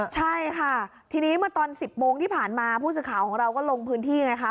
ใช่ค่ะทีนี้เมื่อตอน๑๐โมงที่ผ่านมาผู้สื่อข่าวของเราก็ลงพื้นที่ไงคะ